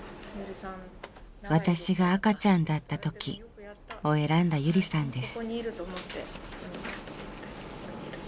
「わたしがあかちゃんだったとき」を選んだゆりさんです。